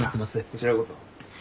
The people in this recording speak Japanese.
こちらこそ。